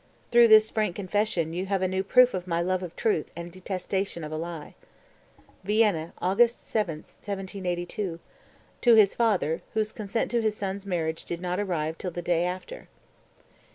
Through this frank confession you have a new proof of my love of truth and detestation of a lie." (Vienna, August 7, 1782, to his father, whose consent to his son's marriage did not arrive till the day after.)